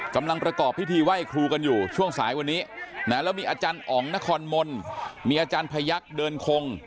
กำลังประกอบพิธีไหว้ครูกันอยู่ช่วงสายวันนี้แล้วมีอาจารย์อ๋องนครมนต์มีอาจารย์พยักษ์เดินคง